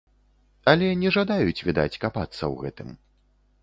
Але не жадаюць, відаць, капацца ў гэтым.